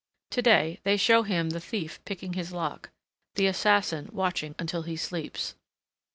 To day, they show him the thief picking his lock, the assassin watching until he sleeps.